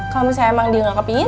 kalau misalnya emang dia gak kepengen